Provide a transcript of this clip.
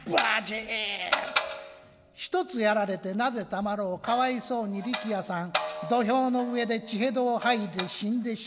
一つやられてなぜたまろう可哀想に力弥さん土俵の上で血反吐を吐いて死んでしまう。